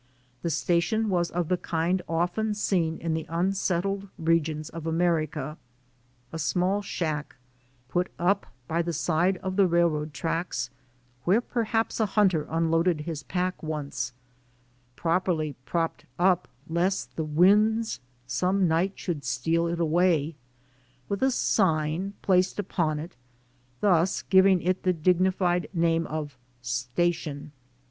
The station was of the kind often seen in the unsettled regions of America a small shack put up by the side of the railroad tracks, where perhaps a hunter unloaded his pack once; properly propped up, lest the winds some night should steal it away ; with a sign placed upon it, thus giving it the dignified name of "sta tion."